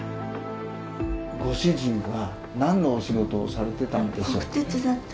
ご主人は何のお仕事をされてたんでしょうか？